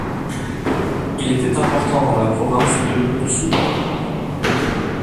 Il était important dans la province de Mutsu.